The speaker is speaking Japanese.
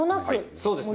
そうですね。